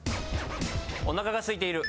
おなかがすいている。